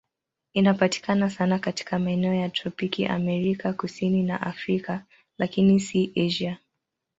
Inapatikana sana katika maeneo ya tropiki Amerika Kusini na Afrika, lakini si Asia.